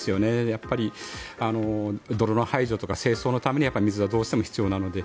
やっぱり、泥の排除とか清掃のためには水はどうしても必要なので。